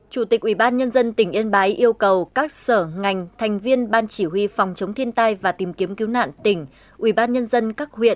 chủ tịch ubnd tỉnh yên bái yêu cầu các sở ngành thành viên ban chỉ huy phòng chống thiên tai và tìm kiếm cứu nạn tỉnh